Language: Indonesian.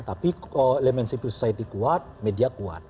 tapi kalau elemen sifil society kuat media kuat